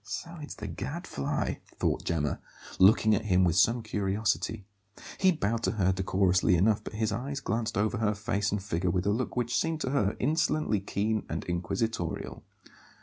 "So it's the Gadfly," thought Gemma, looking at him with some curiosity. He bowed to her decorously enough, but his eyes glanced over her face and figure with a look which seemed to her insolently keen and inquisitorial.